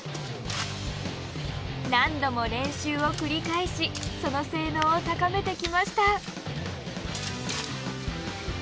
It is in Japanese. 何度も練習を繰り返しその性能を高めてきました。